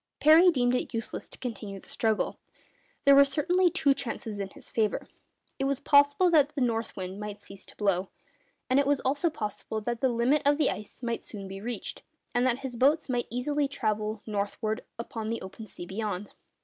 Parry deemed it useless to continue the struggle. There were certainly two chances in his favour. It was possible that the north wind might cease to blow, and it was also possible that the limit of the ice might soon be reached, and that his boats might travel easily northward upon the open sea beyond.